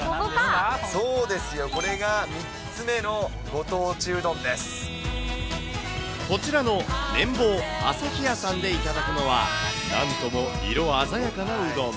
そうですよ、これが３つ目のこちらの、めん房朝日屋さんで頂くのは、なんとも色鮮やかなうどん。